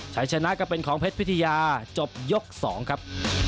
ใช้ชนะก็เป็นของเพชรพิทยาจบยก๒ครับ